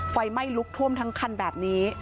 ไฟไหม้ลุกท่วมทั้งคันแบบนี้